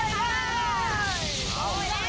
เราก็โกยเลย